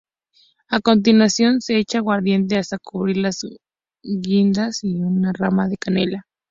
A continuación se echa aguardiente hasta cubrir las guindas y una rama de canela.